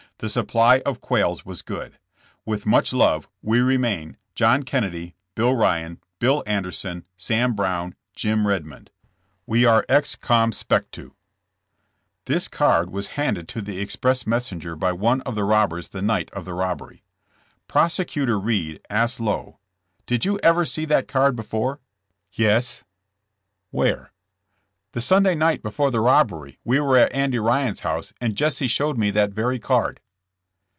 The supply of quails was good. With much love, we remain, John Kennedy, Bill Ryan, Bdll Anderson, Sam Brown, Jim Redmond. We are ex com spect to.*' This card was handed to the express messenger by one of the robbers the night of the robbery. Prosecutor Reed asked Lowe: '*Did you ever see that card before?" 152 JESSE JAMES. ''Where?" The Sunday night before the robbery we were at Andy Ryan's house and Jesse showed me that very card.'